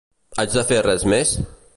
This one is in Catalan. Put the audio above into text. Haig de fer res més?